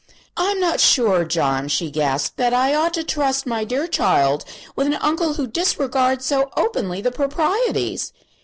"I'm not sure, John," she gasped, "that I ought to trust my dear child with an uncle who disregards so openly the proprieties."